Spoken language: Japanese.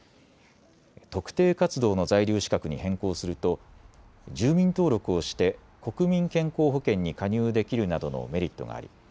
特定活動の在留資格に変更すると住民登録をして国民健康保険に加入できるなどのメリットがあり